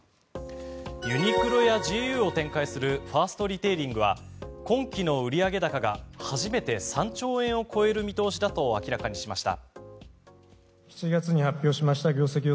ユニクロやＧＵを展開するファーストリテイリングは今期の売上高が初めて３兆円を超える見通しだと明らかにしました。